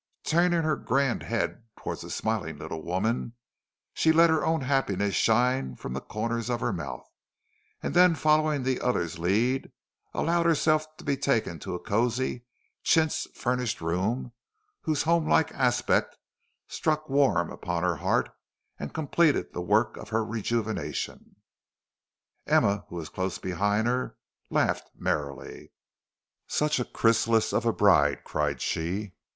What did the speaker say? Turning her grand head towards the smiling little woman she let her own happiness shine from the corners of her mouth, and then following the other's lead, allowed herself to be taken to a cosy chintz furnished room whose home like aspect struck warm upon her heart and completed the work of her rejuvenation. Emma, who was close behind her, laughed merrily. "Such a chrysalis of a bride," cried she.